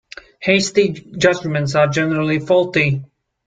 Hasty judgements are generally faulty.